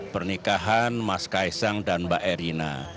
pernikahan mas kaisang dan mbak erina